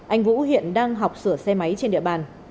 anh vũ hiện đang học sửa xe máy trên địa bàn